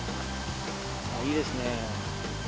いいですね。